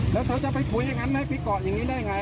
แล้วเธอจะไปขุยให้นั้นไหมปซเลี่ยงนี้ได้ไงอ่ะ